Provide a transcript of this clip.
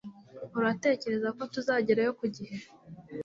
Uratekereza ko tuzagerayo ku gihe?